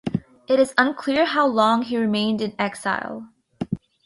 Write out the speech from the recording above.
It is unclear how long he remained in exile.